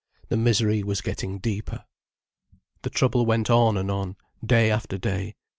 The misery was getting deeper. The trouble went on and on, day after day.